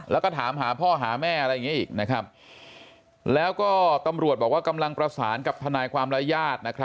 แล้วก็ถามหาพ่อหาแม่อะไรอย่างนี้อีกนะครับแล้วก็ตำรวจบอกว่ากำลังประสานกับทนายความและญาติ